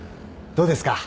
どうですか？